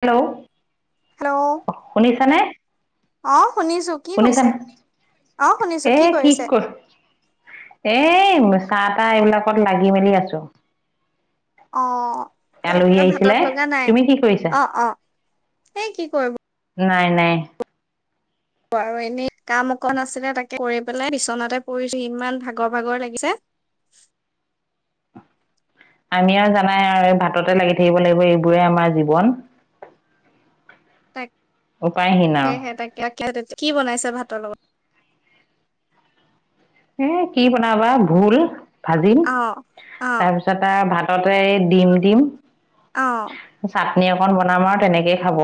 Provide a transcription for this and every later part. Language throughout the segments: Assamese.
হেল্ল'? অ ', শুনিছা নে? হা? শুনিছানে শুনিছো এ, কি কৰিছে কৰিম এহ এনে আছোঁ। কাঁহ তাহ এইবিলাকত লাগি মেলি আছো। অহ ', তাৰ আলহী পৰা আহিছিলে ভাতত লগা নাই তুমি কি কৰিছা অ', অ ', সেই কি কৰিব? নাই -নাই। ব এনেই কাম অকণ আছিলে, তাকে কৰি পেলাই বিচনাতে পৰিছো ইমান ভাগৰ - ভাগৰ লাগিছে। আমি আৰু জানাই আৰু ভাততে লাগি থাকিব লাগিব এইবোৰে আমাৰ জীৱন। তাকে উপায়হীন আৰু সেই তাকে। কি বনাইছে ভাতৰ লগত? এ কি বনাবা, ভুল। ভাজিম, অ অ তাৰপিছতে ভাত। তাতে, ডিম দিম। আঁহ। কনী অকণ বনাম আৰু তেনেকেই খাব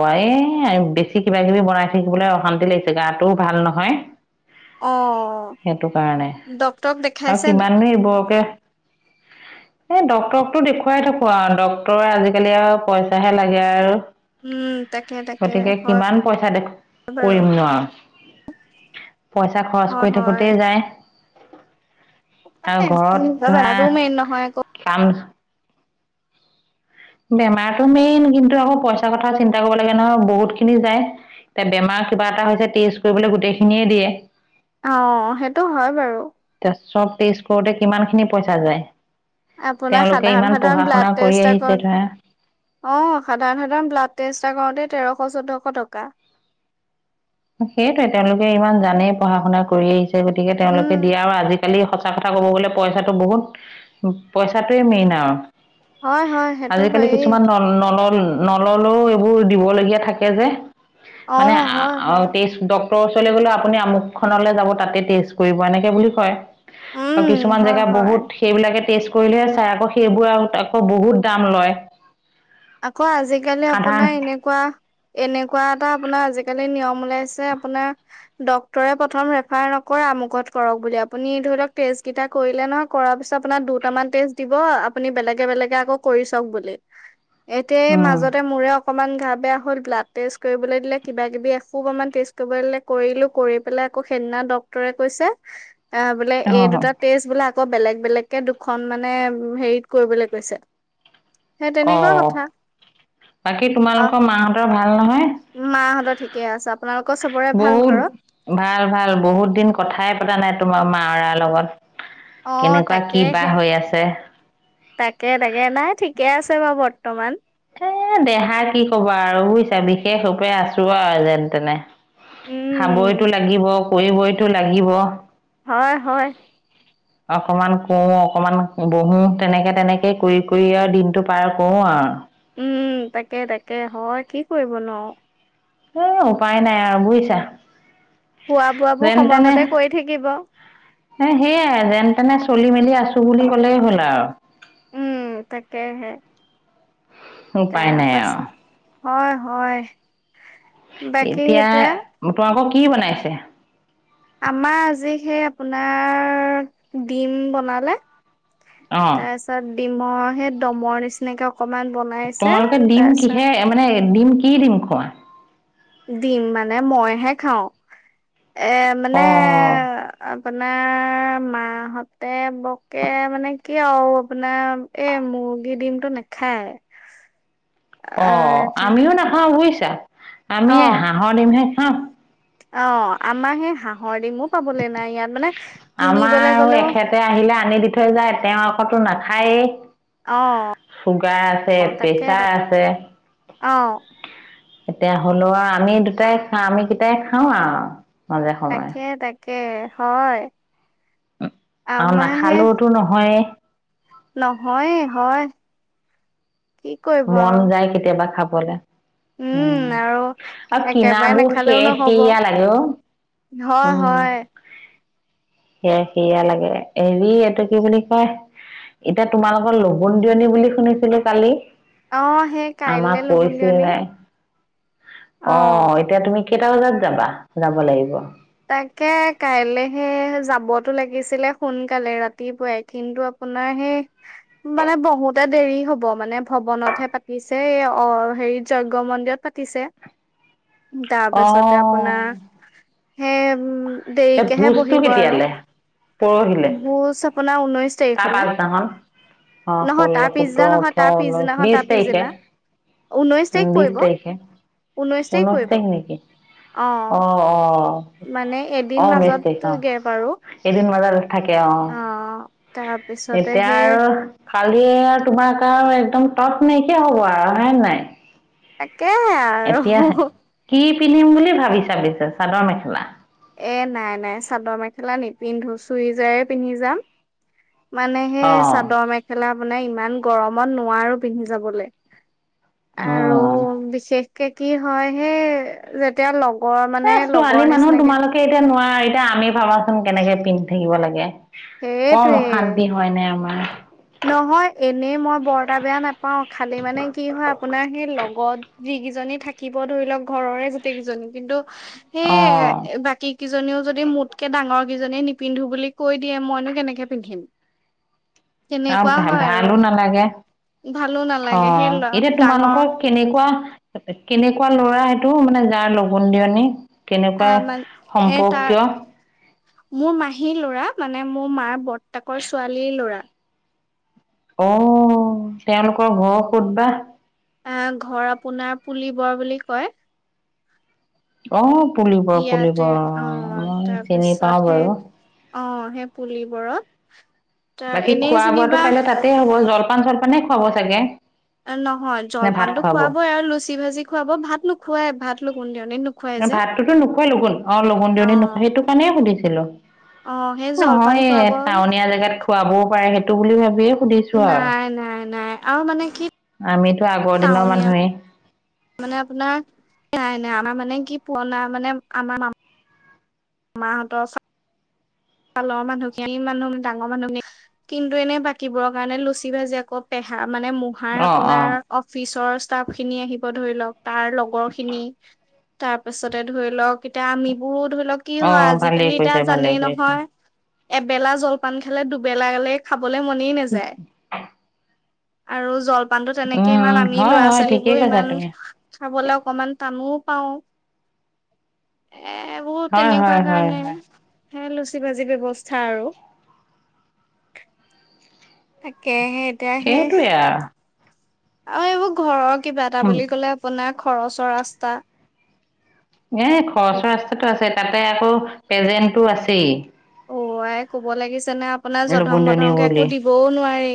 এই বেছি কিবা কিবি বনাই থাকিবলৈ অশান্তি লাগিছে গাটোও ভাল নহয়। অঁ! সেইটো কাৰণে, আৰু কিমান এই বোৰকে এ ডাক্তৰ ক তো দেখুৱাই থাকো আৰু, ডক্তৰে আজিকালি আৰু পইচাহে লাগে আৰু। উম তাকে তাকে গতিকে হয় কিমান পইচা দে বাৰু কৰিম নো আৰু। পইচা খৰচ কৰি থাকোতেই যায়। আৰু ঘৰত ধৰা মেন নহয় আক'! কাম বেমাৰতটো মেইন, কিন্তু আকৌ পইচা কথা চিন্তা কৰিব লাগে নহয় বহুত খিনি যায়, এতিয়া বেমাৰ কিবা এটা হৈছে টেষ্ট কৰিবলৈ গোটেইখিনিয়ে দিয়ে। অঁ সেইটো হয় বাৰু। চব টেষ্ট কৰোতে কিমান খিনি পইচা যায়। আপোনাৰ তেওঁলোকে সাধাৰণ ইমান সাধাৰণ পঢ়া শুনা কৰি আহিছে ধৰা। অঁ সাধাৰণ সাধাৰণ ব্লাড টেষ্ট এটা কৰোতে তেৰশ চৈধ্যশ টকা সেইটো তেওঁলোকে ইমান জানেই পঢ়া শুনা কৰি আহিছে গতিকে তেওঁলোকে উম, দিয়া আৰু আজিকালি সঁচা কথা ক'ব গ'লে পইচাটো বহুত পইচাটোৱেই মেইন আৰু হয় হয় সেইটো আজিকালি হয়েই। কিছুমান ন নলয় নললো ও এইবোৰ দিবলগীয়া থাকে যে অঁ হয় আৰু হয়। তে ৰ ওচৰলৈ গলে আপুনি আমোকখনলৈ যাব তাতে টেষ্ট কৰিব এনেকে বুলি কয় আৰু উম, কিছুমান হয় জেগা হয়। বহুত সেইবিলাকে ষ্টেট কৰিলেহে চাই আকৌ সেইবোৰ আকৌ বহুত দাম লয় আকৌ আজিকালি সাধাৰণ আপোনাৰ এনেকোৱা এনেকোৱা এটা আপোনাৰ আজিকালি নিয়ম বনাইছে আপোনাৰ ডক্তৰ ৰে প্ৰথম আমোক ক টামুক ক কৰক ধৰি লওঁক টেষ্ট কেইটা কৰা পাছত আপোনাৰ দুটামান টেষ্ট দিব আপুনি বেলেগে বেলেগে কৰি চাঁওক বুলি এতিয়াই মাজতে মোৰে অকণমান গা বেয়া হল ব্লাড টেষ্ট কৰিবলৈ দিলে কিবা কিবি এসোপামান টেষ্ট কৰিব দিলে কৰিলো কৰি পেলাই আকৌ সেইদিনা ডক্টৰে কৈছে অঁ বোলে এই অঁ দুটা টেষ্ট বিলাক আকৌ বেলেগ বেলেগকে দুখন মানে হেৰিত কৰিবলৈ কৈছে সেই তেনেকোৱা কথা অঁ বাকী আহ তোমালোকৰ মাহতৰ ভাল নহয় মাহঁতৰ ঠিকে আছে আপোনালোকৰ চবৰে ভাল বহুত ঘৰত? ভাল ভাল বহুত দিন কথাই পতা নাই তোমাৰ মা মাৰা লগত অ কেনেকুৱা কি বা তাকেহে হৈ আছে তাকে তাকে নাই ঠিকে আছে বাৰু বৰ বৰ্তমান এ দেহা কি ক'বা আৰু বুজিছা বিশেষ ৰূপে আছো আৰু যেন তেনে উম খাবইতো লাগিব কৰিবইতো লাগিব হয় হয় অকমান কওঁ অকমান বহো তেনেকে তেনেকে কৰি কৰি আৰু দিনটো পাৰ কৰো আৰু উম তাকে তাকে হয় কি কৰিব নো এ উপায় নাই আৰু বুজিছা খোৱা বোৱাবোৰ যেন তেনে সময়মতে কৰি থাকিব এ সেয়াই যেন তেনে চলি মেলি আছো বুলি ক'লেই হ'ল আৰু উম তাকেহে উপাই তাৰ নাই আৰু পাছে হয় হয় এতিয়া পো কি বনাইছে আমাৰ আজি সেই আপোনাৰ ডিম বনালে। অ', ত আছ ডিমই সে দমৰ নিচিনাক। তোমালোকে দিম কিহে মানে দিম। কি দিম খোৱা। দিম মানে মইহে খাওঁ। এ মানে অ', আপোনাৰ মাহতে বকে মানে কি আৰু আপোনাৰ এই মুৰ্গী ডিমতটো নাখায়। অ আহ এতিয়া আমিও নাখাওঁ বুইছা। আমি অ হাঁহৰ দিমহে হা অ আমাৰ সেই হাঁহৰ ডিমো পাবলৈ। নাই ইয়াত মানে কিনিবলৈ আমাৰ গ'লেও এখেতে আহিলে আনি দি থৈ যায় তেওঁ আকো নাথাক হয়ে অ', চুগাৰ আছে তাকে প্ৰেচাৰ তাক আছে অ', এতিয়া হলেও আৰু আমি দুটাই খা আমি কেইটাই খাওঁ আৰু মাজে সময় তাকে তাকে হয় অ আমাৰ সেই নাখালেওতো নহয়ে নহয়ে হয় কি কৰিব মন আৰু যায় কেতিয়াবা খাব ব'লে উম আৰু কিনা একেবাৰে নাবোৰ নাখালেও শেষ নহ'ব সেয়া লাগে হয় উম। হয় সেয়া সেয়া লাগে হেৰি এইটো কি বুলি কয় এতিয়া তোমালোকৰ লবণ দিয়নী বুলি শুনিছিলো কালি অ সেই আমাক কাইলৈ লগোন দিয়নী কৈছিলে অ এতিয়া তুমি কেইটা বজাত যাবা যাব লাগিব তাকে কাইলেহে যাবতো লাগিছিলে সোনকালে ৰাতিপুৱাই কিন্তু আপোনাৰ সেই মানে বহুতে দেৰি হব মানে ভৱনতহে পাতিছে অ হেৰিত যজ্ঞ মন্দিৰত পাতিছে। অ তাৰপিছতে আপোনাৰ হে উ এই ভোজটো কেতিয়ালে পৰহিলে ভোজ আপোনাৰ ঊনৈশ তাৰ তাৰিখলে পাছদিনাখন আহ নহয় তাৰ ষোল্ল পিছদিনা সোতৰ নহয় তাৰ ওঠৰ উঊনৈশ পিছদিনাখন তাৰ বিশ তাৰিখে পিছদিনা। ঊনৈশ উ তাৰিখ বিশ পৰিব তাৰিখে ঊনৈশ উনৈশ পৰিব তাৰিখ নেকি অ অ মানে এদিন অ ঊনৈশ মাজত তাৰিখে গেপ আৰু অ এদিন মজাৰো থাকে অ তাৰপিছতে সেই খালি আৰু তোমাৰ কাৰ আৰু একদম টত নাইকিয়া হ'ব আৰু হয় নাই তাকেহে এতিয়া আৰু কি পিন্ধিম বুলি ভাবিচা পিছে চাদৰ মেখেলা এ নাই নাই চাদৰ মেখেলা নিপিন্ধো চুই জাৰে পিন্ধি যাম মানে অ সেই চাদৰ মেখেলা বনাই ইমান গৰমত নোৱাৰো পিন্ধি যাবলে অ আৰু বিশেষ কে কি হয় হে যেতিয়া ল এ ছোৱালী মানুহ তোমালোকে এতিয়া নোৱাৰা এতিয়া আমি ভাবা- ছোন কেনেকে পিন্ধি থাকিব লাগে কম সেইটোৱে অশান্তি হয় নে আমাৰ নহয় এনেই মই বৰটা বেয়া নাপাও, খালি মানে কি হয় আপোনাৰ সেই লগৰ লগত যিকেইজনী থাকিব ধৰিলওক ঘৰৰে গোটেই কেইজনী কিন্তু। সেই অ বাকী কেইজনী। জনীও যদি মোতকে ডাঙৰ কেইজনী নিপিন্ধো বুলি কৈ দিয়ে মইনো কেনেকে পিন্ধিম। ৰাম তেনেকুৱা ভা হয় আৰু ভালো নালাগে, ভালো অ নালাগে সেই এতিয়া ডাঙৰ তোমালোকৰ কেনেকুৱা। কেনেকুৱা লৰা সেইটো, মানে যাৰ লগোণ দিয়নী। কেনেকুৱা আহ মান এ তাৰ সম্পৰ্কীয়। মোৰ মাহী লৰা, মানে মোৰ মাৰ বৰ্তাকৰ ছোৱালীৰ লৰা। আহ তেওঁলোকৰ ঘৰ ক'ত বা। আহ ঘৰ আপোনাৰ, পুলিবৰ বুলি কয়। অঁ ইয়াতে অ চিনি পাওঁ তাৰপিছতে সেই বাৰু। অ পুলিবৰত। [inaudible] বাকী খোৱা বোৱাটো কাইলে তাতেই হ'ব, জলপান চলপান। হ'ব চাগে। নহয় নে ভাত জলপানতো খুৱাব? খুৱাবই, আৰু লুচি ভাজি খুৱাব ভাত নোখুৱাই ভাত। লঘোণ দিয়াত ভাতটোতো নোখোৱাই লগুণ অ লঘোন অ দিয়নিত নোখোৱাই সেইটো কাৰণে সুধিছো ছিলো অ সেই জলপান নহয় খুৱাব টাউনীয়া জেগাত খোৱাবও পাৰে সেই সেইটো বুলি ভাবি এ নাই নাই নাই। আৰু মানে কি আমিতো আগৰ দিনৰ টাউনীয়া মানুহেই। মানে আপোনাৰ, নাই নাই আমাৰ মানে কি পুৰণা মানে আমাৰ মাহঁতৰ কালৰ মানুহখিনি মানুহ ডাঙৰ মানুহখিনি কিন্তু এনে বাকীবোৰৰ কাৰণে লুচি ভাজি আকৌ পেহা মানে মোহাৰ অ', অ', আপোনাৰ অফিচৰ ষ্টাফ খিনি আহিব ধৰি লওক, তাৰ লগৰ খিনি, তাৰ পাছতে ধৰি লওক এতিয়া আমিবোৰ ধৰি লও কি হয় আজিকালি এতিয়া জানেই ন আচ্ছা। এবেলা জলপান খালে দুবেলে খাব। গলে মনেই নাযায়। আৰু জলপা পানতো তেনেকে ইমান উম, আমি হয় ল'ৰা হয় ছোৱালী ঠিকেই বোৰ কৈছা ইমান তুমি খাবলে অকমান টানো পাওঁ। এ বহুত হয় তেনেকুৱা হয় হয় কাৰণে হয় হে লুচি ভাজি ব্যৱস্থা আৰু। তাকে সেই এতিয়া সেই সেইটোৱে আৰু। আৰু এইবোৰ ঘৰ কিবা এটা বুলি ক'লে আপোনাক খৰচৰ ৰাস্তা এ এ খৰচৰ ৰাস্তাটো আছে তাতে আকৌ এজেন্টটো আছেই। অ ক'ব লাগিছি যেনে আপোনাৰ জধং লগুণধনী মধংকে একো বুলি দিবওঁ নোৱাৰি,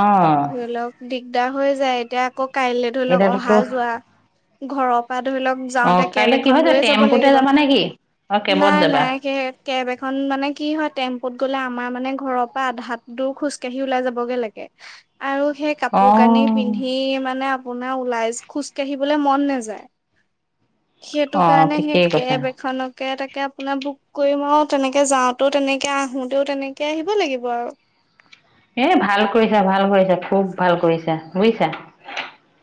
অ ধৰি লওঁক দিগদাৰ হৈ যায় এতিয়া আকৌ কাইলৈ ধৰি লওঁক অহা এতিয়াতো যোৱা ঘ, ৰৰ পৰা ধৰি লওঁক অ যাওঁতে কেব কাইলে এখন কিহত যাবা লৈয়ে যাব টেম্পুতে লাগিব, যাবা নেকি অ কেবত নাই যাবা নাই সেই এখন মানে কি হয় টেম্পুত গলে আমাৰ মানে ঘৰৰ পৰা আধাত দৰ খোজকাাঢ়ি ওলাই যাবগে লাগে। আৰু সেই অ কাপোৰ কানি পিন্ধি মানে আপোনাৰ ওলাই খোজ কাঢ়িবলৈ মন নাযায়। সেইটো অ কাৰণে সেই ঠিকেই কৈছা কেব এখনকে এটা কে আপোনাৰ বুক কৰিম আৰু তেনেকে যাওঁতেও, তেনেকে আহোতেও, তেনেকৈ আহিব লাগিব আৰু। এ ভাল কৰিছা-ভাল কৰিছা, খুব ভাল কৰিছা বুজিছা।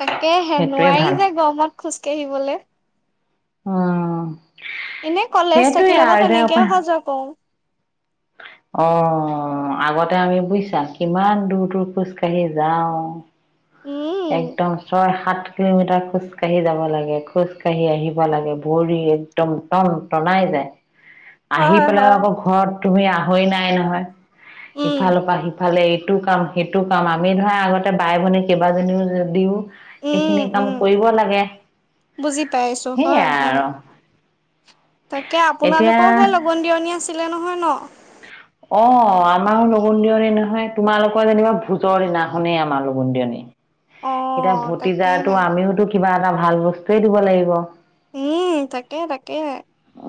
তাকে হে সেইটোৱে নোৱাৰি ভাল যে গৰমত খোজ কাঢ়িবলৈ। উম। এনেই কলেজ সেইটোৱে থাকিলে বা আৰু দে তেনেকে অহা যোৱা কৰো। অহ, আগতে আমি বুজি চাম কিমান দূৰ-দূৰ খোজ কাঢ়ি যাওঁ। উম একদম ছয়-সাত সাত কিলোমিটাৰ খোজকাাঢ়ি যাব লাগে, খোজকাঢ়ি আহিব লাগে, ভৰি একদম টন-টনাই যায়। আহি হয় পেলাই হয় আকৌ ঘৰত তুমি আহৰি নাই নহয়। উম ইফালৰ পৰা সিফালে ইটো কাম-সেইটো কাম আমি ধৰা আগতে বাই ভনী কিবা [unintelligible] যদিও সেইখিনি উম কাম উম কৰিব লাগে, বুজি পাইছো হয় সেইয়াই হয় আৰু। তাকে এতিয়া আপোনালোকৰহে লগন দিয়ণী আছিলে নহয় ন? অহ আমাৰো লগোন দিয়নী নহয়, তোমালোকৰ যেনিবা ভোজৰ দিনাখনেই আমাৰ লগন দিয়নী। অ এতিয়া ভতিজাটো তাকেহে আমিওতো কিবা এটা ভাল বস্তুয়ে দিব লাগিব। উম তাকে-তাকে।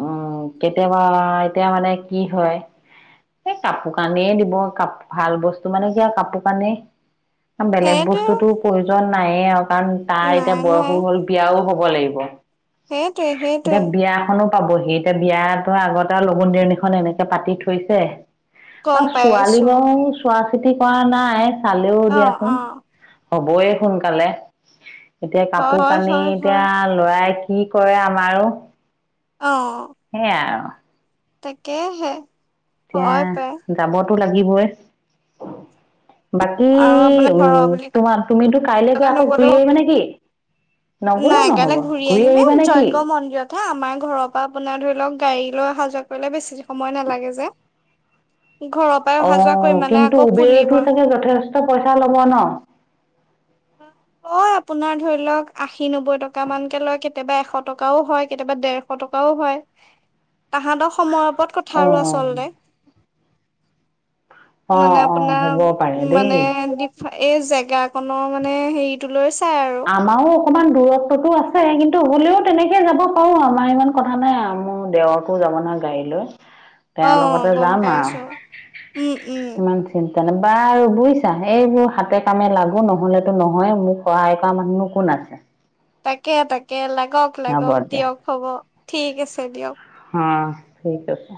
উম কেতিয়াবা এতিয়া মানে কি হয়। এই কাপোৰ কানিও দিব কাপ ভাল বস্তু মানে যে কাপোৰ কানি বেলেগ সেইটোৱে বস্তুতটো দুজন নায়ে আৰু। কাৰণ তাৰ এতিয়া নাই বয়সো হ'ল, বিয়াও হ'ব। ক লাগিব। সেইটোৱে-সেইটোৱে। এতিয়া বিয়াখনো পাবহি, এতিয়া বিয়াতে আগতে আৰু লগুন দেৰণীখন এনেকে পাতি থৈছে। গম অহ ছোৱালী পাইছো বাও চোৱা খেতি কৰা নাই চালেও অ অ দিয়াচোন। হবই সোনকালে। এতিয়া হয় কাপোৰ হয় কানি হয় হয় এতিয়া লৰাই কি কৰে আমাৰো। অ। সেই আৰু তাকে হে। এতিয়া যাব টো লাগিবই। বাকী আৰু আপোনাৰ উ ঘৰৰ বুলি তোমাৰ তুমিতো কাইলে কলে গৈ আকৌ নগলেও ঘূৰি আহিবা নে কি? নগ'লেও নাই নহ'ব কাইলৈ ঘুৰি ঘূৰি আহিম এ আহিবা নে কি যজ্ঞ মন্দিৰতহে আমাৰ ঘৰৰ পৰা আপোনাৰ ধৰি লওক গাড়ী লৈ অহা যোৱা কৰিলে বেছি সময় নালাগে যে। ঘৰৰ পৰাই অ অহা যোৱা কৰি মানে কিন্তু আকৌ পুলিব উবেৰতো চাগে যথেষ্ট পইচা ল'ব ন? লয় আপোনাৰ ধৰি লওক আশী নবৈ টকা মানকে লয় কেতিয়াবা এশ টকাও হয় কেতিয়াবা দেৰশ টকাও হয়। তাহাঁতৰ সময়ৰ ওপৰত কথা আৰু অঁ আচলতে। মানে অঁ অঁ হ'ব আপোনাৰ পাৰে দেই মানে দি এই জেগা ক মানে হেৰিটো লৈ চাই। আৰু আমাৰো অকমান দূৰত্বতো আছে কিন্তু হলেও তেনেকে যাব পাৰো আমাৰ ইমান কথা নাই মোৰ দেওৰতো যাব নহয় গাড়ী লৈ। অ তেওঁৰ লগতে গম যাম পাইছো আৰু উম উম। বা আৰু বুজিছা এইবোৰ হাতে কামে লাগো নহলেতো নহয় মোক সহায় কৰে মানুহ নু কোন আছে? [unintelligible] তাকে- তাকে লাগ লাগক- হ'ব লাগক দিয়া দিয়ক হ'ব। ঠিক আছে দিয়ক। অহ, ঠিক আছে।